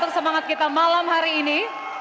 selamat malam hari ini